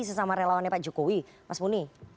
sesama relawannya pak jokowi mas muni